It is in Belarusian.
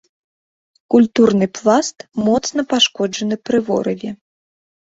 Культурны пласт моцна пашкоджаны пры ворыве.